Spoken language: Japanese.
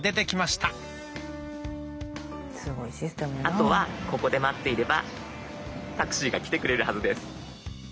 あとはここで待っていればタクシーが来てくれるはずです。